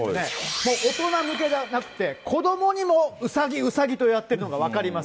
もう大人向けじゃなくて、子どもにもうさぎ、うさぎとやってるのが分かります。